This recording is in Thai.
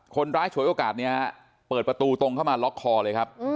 ฉวยโอกาสนี้ฮะเปิดประตูตรงเข้ามาล็อกคอเลยครับ